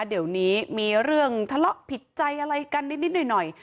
เดี๋ยวนี้มีเรื่องทะเลาะผิดใจอะไรกันนิดหน่อย